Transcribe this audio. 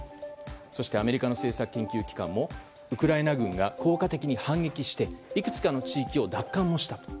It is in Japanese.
そしてアメリカの政策研究機関もウクライナ軍が効果的に反撃していくつかの地域を奪還もした。